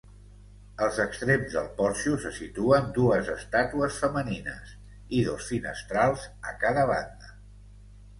Als extrems del porxo se situen dues estàtues femenines i dos finestrals a cada banda.